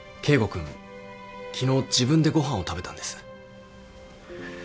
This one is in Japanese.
君昨日自分でご飯を食べたんです。